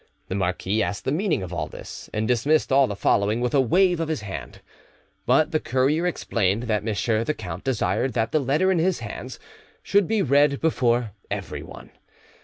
The marquis asked the meaning of all this, and dismissed all the following with a wave of the hand; but the courier explained that M. the count desired that the letter in his hands should be read before everyone.